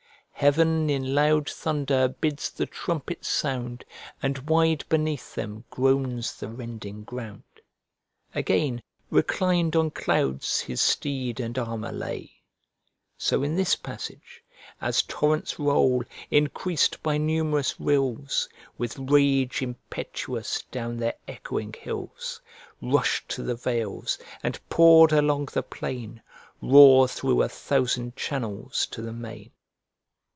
"Heav'n in loud thunder bids the trumpet sound; And wide beneath them groans the rending ground." Again, "Reclin'd on clouds his steed and armour lay." So in this passage: "As torrents roll, increas'd by numerous rills, With rage impetuous down their echoing hills, Rush to the vales, and pour'd along the plain, Roar through a thousand channels to the main."